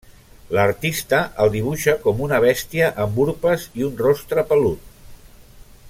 L'artista el dibuixa com una bèstia amb urpes i un rostre pelut.